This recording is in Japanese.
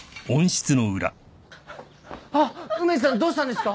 ・あっ梅津さんどうしたんですか！？